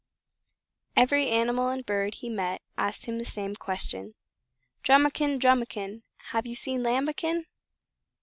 Every animal and bird he met asked him the same question: "Drumikin! Drumikin! Have you seen Lambikin?"